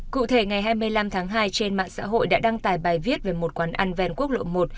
cụ thể ngày hai mươi năm tháng hai trên mạng xã hội đã đăng tải bài viết về một quán ăn ven quốc lộ một